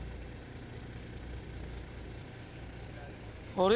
あれ？